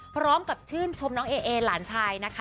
พร้อมกับชื่นชมน้องเอเอหลานชายนะคะ